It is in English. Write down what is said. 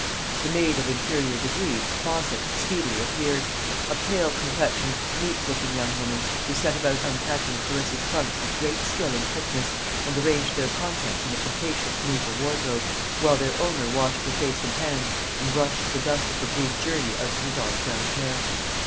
The maid of inferior degree, Fosset, speedily appeared; a pale complexioned, meek looking young woman, who set about unpacking Clarissa's trunks with great skill and quickness, and arranged their contents in the capacious maple wardrobe, while their owner washed her face and hands and brushed the dust of her brief journey out of her dark brown hair.